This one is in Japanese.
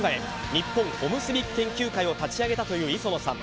日本おむすび研究会を立ち上げたという磯野さん。